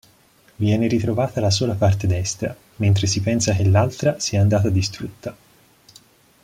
Viene ritrovata la sola parte destra, mentre si pensa che l'altra sia andata distrutta.